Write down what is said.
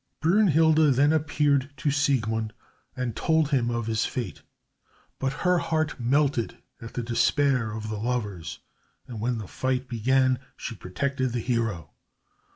Brünnhilde then appeared to Siegmund and told him of his fate, but her heart melted at the despair of the lovers, and when the fight began she protected the hero.